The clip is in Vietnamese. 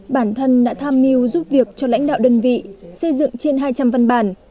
bản thân đã tham mưu giúp việc cho lãnh đạo đơn vị xây dựng trên hai trăm linh văn bản